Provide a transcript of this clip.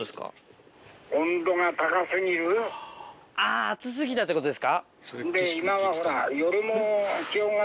あぁ暑過ぎたってことですか？